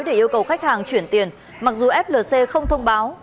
để yêu cầu khách hàng chuyển tiền mặc dù flc không thông báo